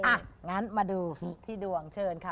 อ่ะงั้นมาดูที่ดวงเชิญค่ะ